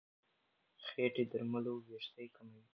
ځینې درملو وېښتې کموي.